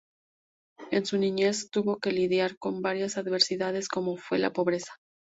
En su niñez tuvo que lidiar con varias adversidades, como fue la pobreza.